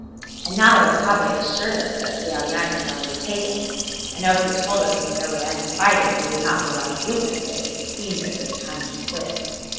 And now that Okabe assured us that Liao Yang was already taken, and Oku told us if there were any fighting we would not be allowed to witness it, it seemed a good time to quit.